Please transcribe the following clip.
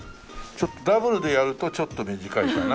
ちょっとダブルでやるとちょっと短いかな。